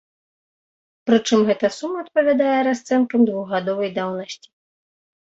Прычым гэта сума адпавядае расцэнкам двухгадовай даўнасці.